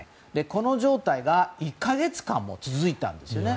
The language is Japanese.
この状態が１か月間も続いたんですね。